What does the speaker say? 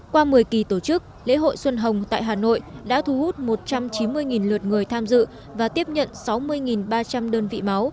qua một mươi kỳ tổ chức lễ hội xuân hồng tại hà nội đã thu hút một trăm chín mươi lượt người tham dự và tiếp nhận sáu mươi ba trăm linh đơn vị máu